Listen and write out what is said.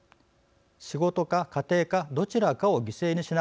仕事か家庭かどちらかを犠牲にしなくてはならない。